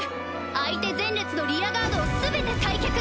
相手前列のリアガードをすべて退却！